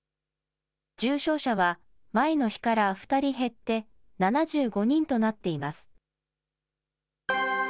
重症者は前の日から２人減って７５人となっています。